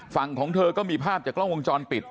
ของเธอก็มีภาพจากกล้องวงจรปิด